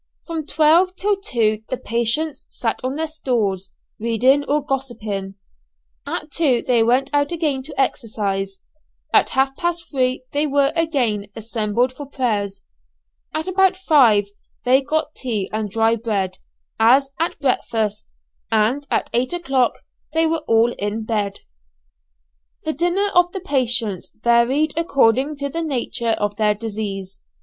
From twelve till two the patients sat on their stools reading or gossiping. At two they went out again to exercise. At half past three they were again assembled for prayers. About five they got tea and dry bread, as at breakfast; and at eight o'clock they were all in bed. The dinner of the patients varied according to the nature of their disease.